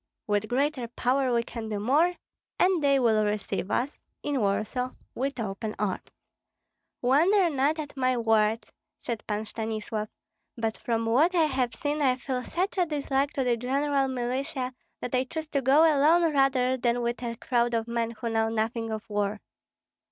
With greater power we can do more, and they will receive us (in Warsaw) with open arms." "Wonder not at my words," said Pan Stanislav, "but from what I have seen I feel such a dislike to the general militia that I choose to go alone rather than with a crowd of men who know nothing of war."